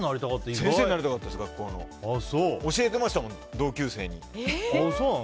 教えてましたもん、同級生に。